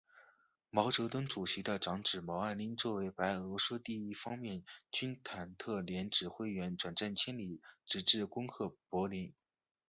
毛泽东主席的长子毛岸英作为白俄罗斯第一方面军坦克连指导员，转战千里，直至攻克柏林。